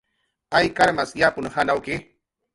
Ayk karmas yapun janawki